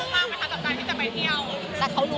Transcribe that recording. มีใครปิดปาก